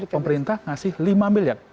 pemerintah ngasih lima miliar